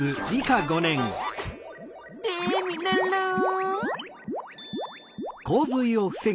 テミルンルン！